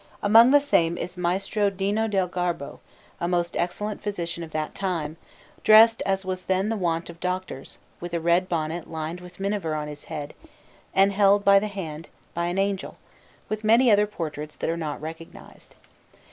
Among the same is Maestro Dino del Garbo, a most excellent physician of that time, dressed as was then the wont of doctors, with a red bonnet lined with miniver on his head, and held by the hand by an angel; with many other portraits that are not recognized.